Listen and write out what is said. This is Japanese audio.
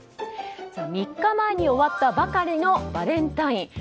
３日前に終わったばかりのバレンタイン。